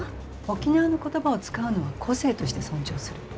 沖縄の言葉を使うのは個性として尊重する。